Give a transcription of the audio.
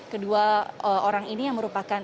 kedua orang ini yang merupakan